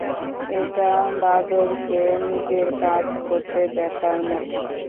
এটা বাদরকে নিজের কাজ করতে দেখার মতো।